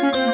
oh gitu bu